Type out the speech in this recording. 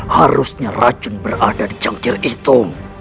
harusnya racun berada di cangkir itu